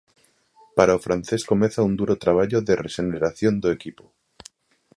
Para o francés comeza un duro traballo de rexeneración do equipo.